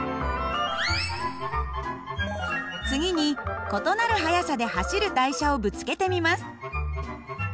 次に異なる速さで走る台車をぶつけてみます。